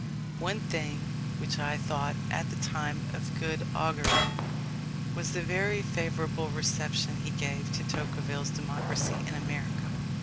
One thing, which I thought, at the time, of good augury, was the very favourable reception he gave to Tocqueville's Democracy in America.